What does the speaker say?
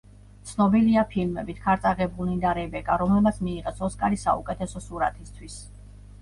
ცნობილია ფილმებით „ქარწაღებულნი“ და „რებეკა“, რომლებმაც მიიღეს ოსკარი საუკეთესო სურათისთვის.